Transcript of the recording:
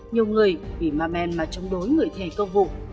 nhiều người vì ma men mà chống đối người thi hành công vụ